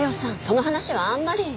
その話はあんまり。